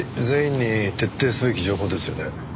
全員に徹底すべき情報ですよね。